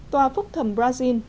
tòa phúc thẩm brazil